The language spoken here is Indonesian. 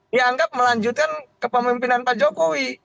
dianggap melanjutkan kepemimpinan pak jokowi